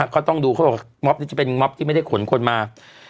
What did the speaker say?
ก็ต้องดูเขาบอกมอบนี้จะเป็นม็อบที่ไม่ได้ขนคนมา